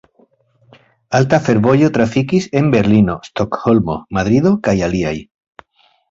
Alta fervojo trafikis en Berlino, Stokholmo, Madrido, kaj aliaj.